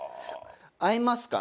「会えますか？」